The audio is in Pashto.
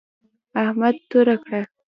احمد توره کړه.